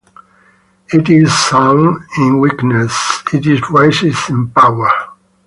It is sown in weakness, it is raised in power.